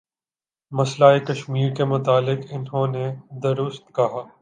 مسئلہ کشمیر کے متعلق انہوں نے درست کہا